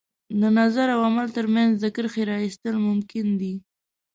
د نظر او عمل تر منځ د کرښې را ایستل ممکن دي.